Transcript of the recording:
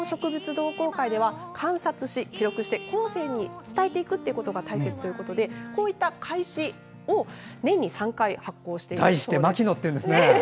同好会では観察し、記録して後世に伝えていくことが大切ということでこういった会誌を年に３回発行しているそうです。